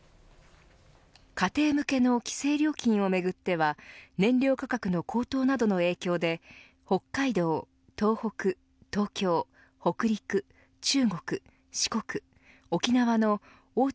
家庭向けの規制料金をめぐっては燃料価格の高騰などの影響で北海道、東北、東京北陸、中国、四国、沖縄の大手